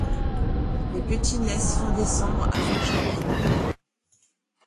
Les petits naissent fin décembre à fin janvier.